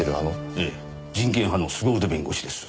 ええ人権派の凄腕弁護士です。